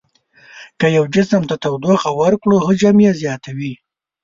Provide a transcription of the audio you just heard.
که یو جسم ته تودوخه ورکړو حجم یې زیاتوي.